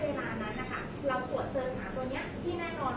แต่ว่าไม่มีปรากฏว่าถ้าเกิดคนให้ยาที่๓๑